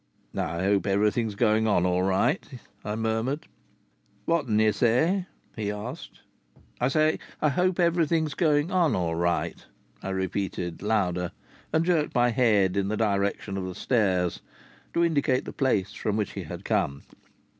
"I hope everything is going on all right," I murmured. "What dun ye say?" he asked. "I say I hope everything is going on all right," I repeated louder, and jerked my head in the direction of the stairs, to indicate the place from which he had come.